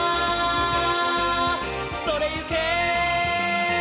「それゆけ！」